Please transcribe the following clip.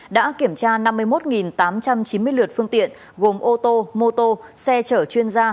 đã kiểm tra năm mươi một tám trăm chín mươi lượt phương tiện gồm ô tô mô tô xe chở chuyên gia